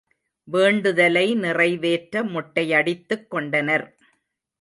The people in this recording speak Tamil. வேண்டுதலை நிறைவேற்ற மொட்டையடித்துக் கொண்டனர்.